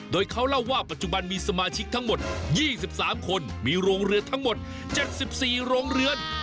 โดยเขาเล่าว่าปัจจุบันมีสมาชิกทั้งหมด๒๓คนมีโรงเรือนทั้งหมด๗๔โรงเรือน